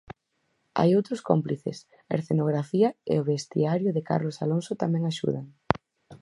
Hai outros cómplices: a escenografía e o vestiario de Carlos Alonso tamén axudan.